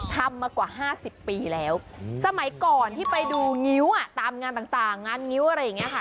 มากว่า๕๐ปีแล้วสมัยก่อนที่ไปดูงิ้วตามงานต่างงานงิ้วอะไรอย่างนี้ค่ะ